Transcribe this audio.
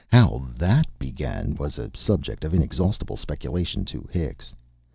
How THAT began was a subject of inexhaustible speculation to Hicks.